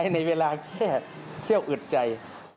ในเวลาแค่เสี้ยวอึดใจ